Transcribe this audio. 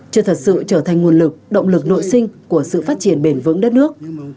chưa thật sự trở thành nguồn lực động lực nội sinh của sự phát triển bền vững đất nước